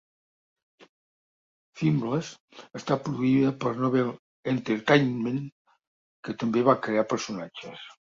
"Fimbles" està produïda per Novel Entertainment, que també va crear els personatges.